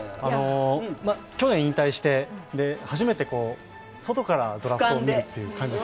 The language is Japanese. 去年引退して初めて外からドラフトを見るっていう。